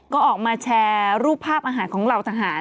ก็ออกมาแชร์รูปภาพอาหารของเหล่าทหาร